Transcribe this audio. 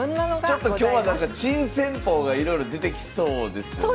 ちょっと今日は珍戦法がいろいろ出てきそうですね。